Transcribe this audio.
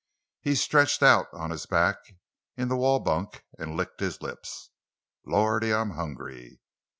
He stretched out on his back in the wall bunk and licked his lips. "Lordy, I'm hungry!"